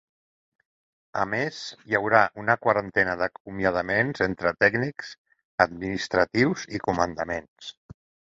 A més, hi haurà una quarantena d’acomiadaments entre tècnics, administratius i comandaments.